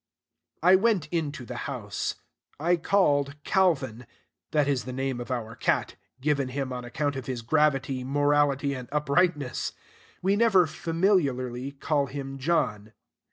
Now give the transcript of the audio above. I went into the house. I called Calvin. (That is the name of our cat, given him on account of his gravity, morality, and uprightness. We never familiarly call him John).